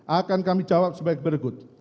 akan kami jawab sebagai berikut